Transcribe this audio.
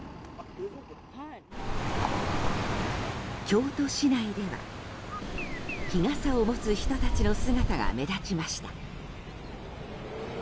京都市内では、日傘を持つ人たちの姿が目立ちました。